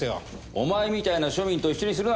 お前みたいな庶民と一緒にするな！